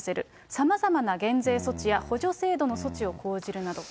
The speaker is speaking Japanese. さまざまな減税措置や補助制度の措置を講じるなど。